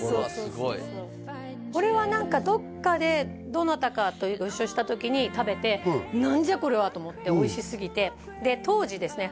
すごいこれは何かどっかでどなたかとご一緒した時に食べて「何じゃ？これは」と思っておいしすぎてで当時ですね